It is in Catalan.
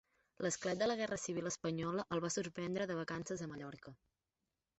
L'esclat de la guerra civil espanyola el va sorprendre de vacances a Mallorca.